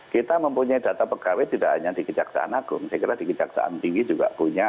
kita mempunyai data pegawai tidak hanya di kejaksaan agung saya kira di kejaksaan tinggi juga punya